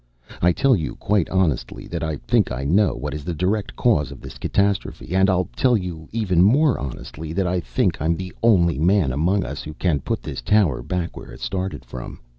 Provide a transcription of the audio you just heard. I tell you quite honestly that I think I know what is the direct cause of this catastrophe. And I'll tell you even more honestly that I think I'm the only man among us who can put this tower back where it started from.